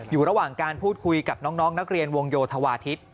อยู่ระหว่างการพูดคุยกับน้องนักเรียนวงโยธวาทิศ